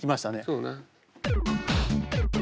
そうね。